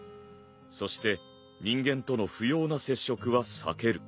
そして人間との不要な接触は避ける。